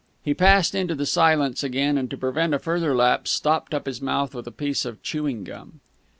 He passed into the silence again, and, to prevent a further lapse, stopped up his mouth with a piece of chewing gum.